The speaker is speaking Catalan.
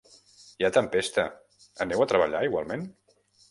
Hi ha tempesta, aneu a treballar igualment?